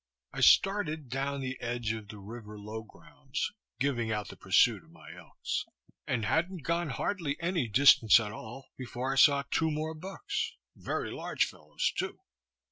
I started down the edge of the river low grounds, giving out the pursuit of my elks, and hadn't gone hardly any distance at all, before I saw two more bucks, very large fellows too.